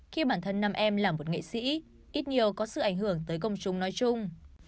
khi bản thân năm em làm một nghệ sĩ ít nhiều có sự ảnh hưởng tới công chúng nói chung